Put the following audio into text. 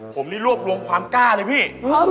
ผมนี่รวบรวมความกล้าเลยพี่